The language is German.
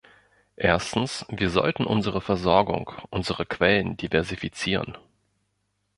Erstens, wir sollten unsere Versorgung, unsere Quellen diversifizieren.